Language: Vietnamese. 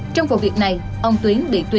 trong vụ việc này